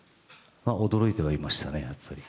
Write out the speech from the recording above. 驚いてはいましたね、やっぱり。